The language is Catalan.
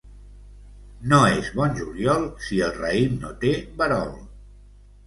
No és bon juliol, si el raïm no té verol.